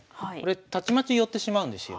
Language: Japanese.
たちまち寄ってしまうんですよ。